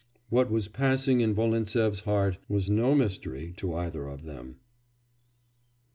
What was passing in Volintsev's heart was no mystery to either of them.